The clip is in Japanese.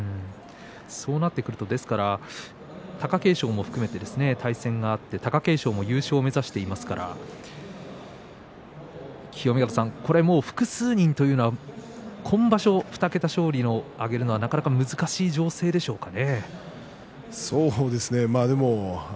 そうなってくると貴景勝も含めて対戦があって貴景勝優勝目指していますから清見潟さん、複数人というのは今場所２桁勝利を挙げるのはなかなか難しい情勢ですかね。